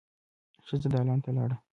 ښځه دالان ته لاړه.